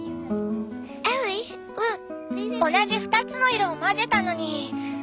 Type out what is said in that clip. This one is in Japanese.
同じ２つの色を混ぜたのに。